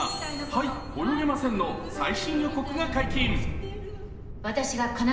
「はい、泳げません」の最新予告が解禁。